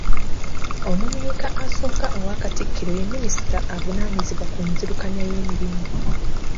Omumyuka asooka owa Katikkiro ye minisita avunaanyizibwa ku nzirukanya y'emirimu.